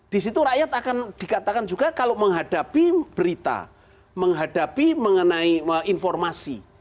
di situ rakyat akan dikatakan juga kalau menghadapi berita menghadapi mengenai informasi